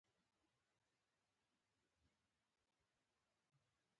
د فیصلې هیڅ ماده نه منو.